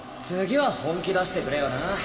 次は本気出してくれよな。